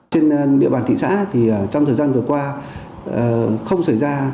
trên địa bàn thị xã thì trong thời gian vừa qua không xảy ra